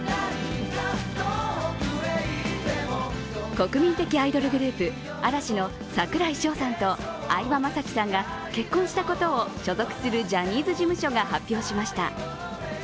国民的アイドルグループ、嵐の櫻井翔さんと相葉雅紀さんが結婚したことを所属するジャニーズ事務所が発表しました。